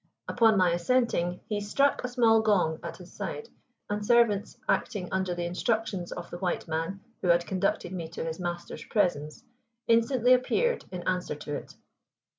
Upon my assenting he struck a small gong at his side, and servants, acting under the instructions of the white man who had conducted me to his master's presence, instantly appeared in answer to it.